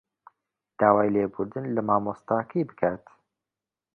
داوای لێبوردن لە مامۆستاکەی بکات